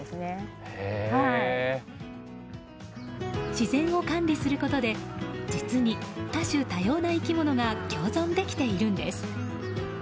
自然を管理することで実に多種多様な生き物が共存できているんです。